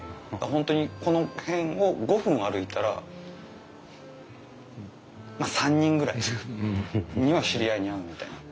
本当にこの辺を５分歩いたらまあ３人ぐらいには知り合いに会うみたいな。